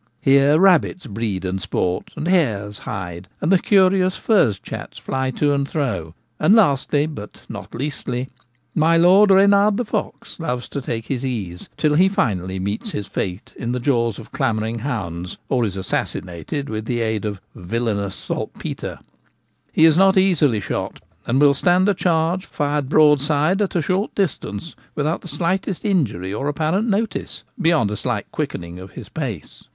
Here rabbits breed and spor*, and hares hide, and the curious furze chats fly to and fro ; and lastly, but not leastly, my lord Reynard the Fox loves to take his ease, till he finally meets his fate in the jaws of clamouring hounds, or is assassinated with the aid of ' villanous saltpetre/ He is not easily shot, and Savage Attack by a Fox. 73. will stand a charge fired broadside at a short distance without the slightest injury or apparent notice, beyond a slight quickening of his pace.